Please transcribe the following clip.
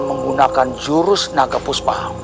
menggunakan jurus naga puspa